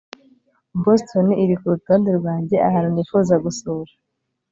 boston iri kurutonde rwanjye ahantu nifuza gusura